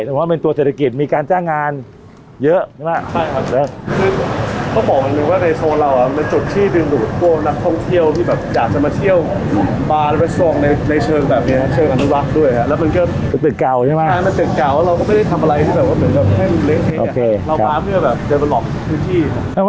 แต่ประมาณว่าเป็นตัวเศรษฐกิจมีการจ้างงานเยอะใช่ไหมครับ